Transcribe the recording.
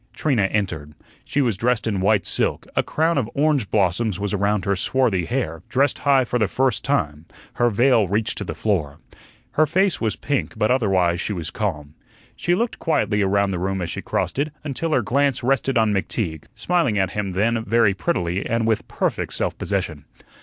Trina entered. She was dressed in white silk, a crown of orange blossoms was around her swarthy hair dressed high for the first time her veil reached to the floor. Her face was pink, but otherwise she was calm. She looked quietly around the room as she crossed it, until her glance rested on McTeague, smiling at him then very prettily and with perfect self possession.